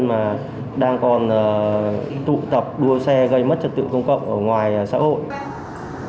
mà đang còn tụ tập đua xe gây mất trật tự công cộng ở ngoài xã hội